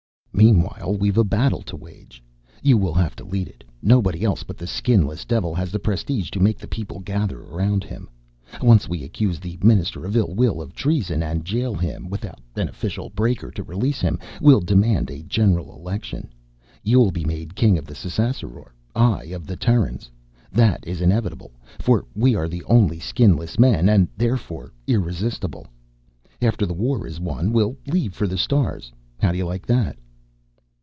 "Meanwhile, we've a battle to wage. You will have to lead it. Nobody else but the Skinless Devil has the prestige to make the people gather around him. Once we accuse the Minister of Ill Will of treason and jail him, without an official Breaker to release him, we'll demand a general election. You'll be made King of the Ssassaror; I, of the Terrans. That is inevitable, for we are the only skinless men and, therefore, irresistible. After the war is won, we'll leave for the stars. How do you like that?"